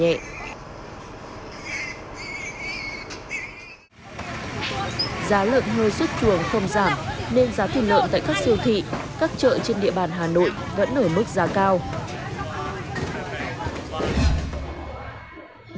giá lợn hơi xuất chuồng không giảm nên giá thịt lợn tại các siêu thị các chợ trên địa bàn hà nội vẫn ở mức giá cao